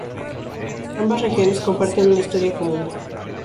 Ambas regiones comparten una historia común.